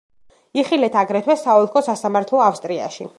იხილეთ აგრეთვე საოლქო სასამართლო ავსტრიაში.